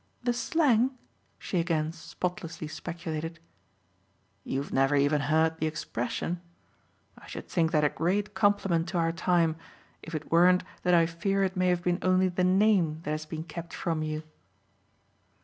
"The 'slang'?" she again spotlessly speculated. "You've never even heard the expression? I should think that a great compliment to our time if it weren't that I fear it may have been only the name that has been kept from you."